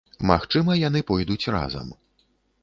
Магчыма, яны пойдуць разам.